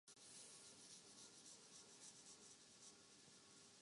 ہم نے طالب علموں کو بتایا کہ وہ ہمارے ہیرو ہیں۔